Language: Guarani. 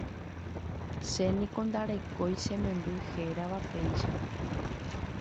che niko ndarekói chememby hérava péicha.